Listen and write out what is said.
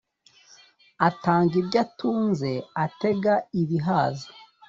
Atanga ibyo atunze Atega ibihaza